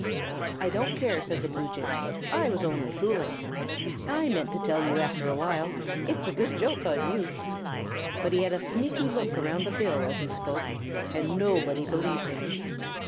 "I don't care," said the Blue Jay; "I was only fooling. I meant to tell you after a while. It's a good joke on you." But he had a sneaky look around the bill as he spoke, and nobody believed him.